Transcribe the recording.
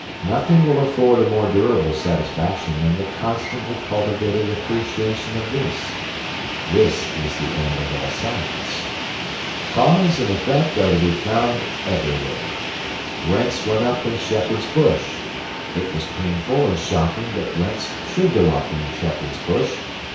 Nothing will afford a more durable satisfaction than the constantly cultivated appreciation of this. It is the end of all science. Cause and effect are to be found everywhere. Rents went up in Shepherd's Bush. It was painful and shocking that rents should go up in Shepherd's Bush.